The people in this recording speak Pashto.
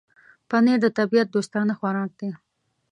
پنېر د طبيعت دوستانه خوراک دی.